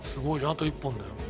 あと１本だよ。